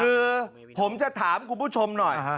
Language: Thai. คือผมจะถามคุณผู้ชมหน่อย